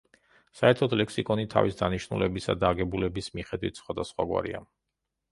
საერთოდ, ლექსიკონი თავისი დანიშნულებისა და აგებულების მიხედვით სხვადასხვაგვარია.